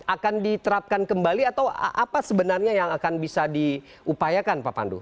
akan diterapkan kembali atau apa sebenarnya yang akan bisa diupayakan pak pandu